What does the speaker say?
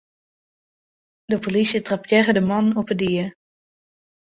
De polysje trappearre de mannen op 'e die.